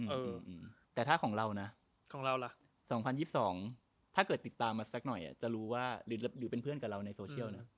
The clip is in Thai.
เออแต่ถ้าของเรานะของเราล่ะ๒๐๒๒ถ้าเกิดติดตามมาสักหน่อยจะรู้ว่าหรือเป็นเพื่อนกับเราในโซเชียลนะ